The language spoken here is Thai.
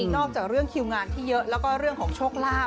อกจากเรื่องคิวงานที่เยอะแล้วก็เรื่องของโชคลาภ